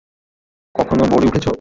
কখনো বোর্ডে উঠেছ?